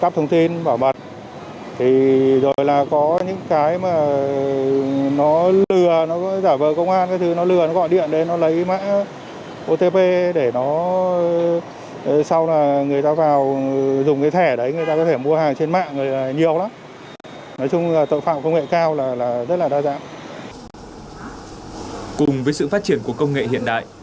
cùng với sự phát triển của công nghệ hiện đại